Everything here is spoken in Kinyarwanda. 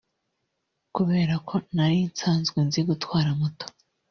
Kubera ko nari nsanzwe nzi gutwara moto